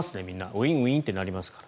ウィンウィンって鳴りますから。